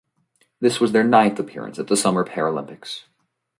This was their ninth appearance at the Summer Paralympics.